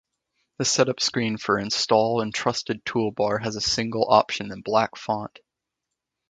The setup screen for Install Entrusted Toolbar has a single option in black font.